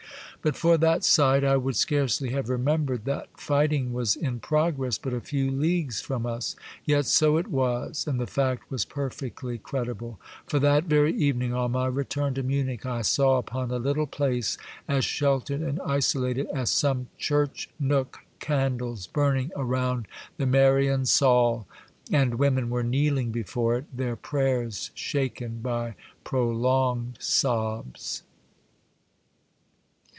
But for that sight, I would scarcely have remembered that fighting was in progress but a few leagues from us. Yet so it was, and the fact was perfectly credible ; for that very evening on my return to Munich, I saw upon a little place, as sheltered and isolated as some church nook, candles burning around the Marien Saulcy and women were kneeling before it, their prayers shaken by prolonged sobs.